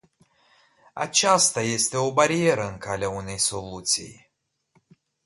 Aceasta este o barieră în calea unei soluții.